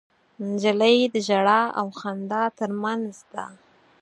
نجلۍ د ژړا او خندا تر منځ ده.